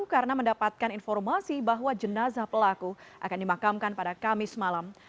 karena mendapatkan informasi bahwa jenazah pelaku akan dimakamkan pada kamis malam